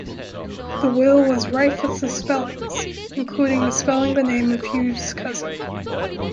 The will was rife with misspellings, including misspelling the name of Hughes' cousin.